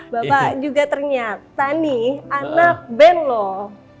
bapak juga ternyata nih anak band loh